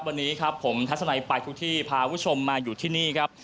วันนี้ครับผมทัศนัยไปทุกที่พาคุณผู้ชมมาอยู่ที่นี่ครับ